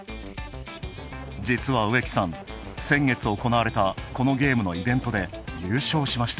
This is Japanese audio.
実は植木さん、先月行われたこのゲームのイベントで優勝しました。